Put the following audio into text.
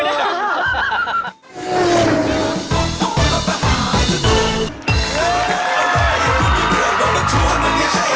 หูดำ